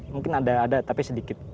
mungkin ada tapi sedikit